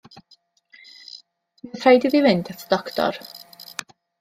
Mi oedd rhaid iddi fynd at y doctor.